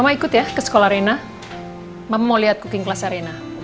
mama ikut ya ke sekolah rena mama mau lihat cooking kelas rena